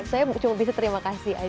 saya cuma bisa terima kasih aja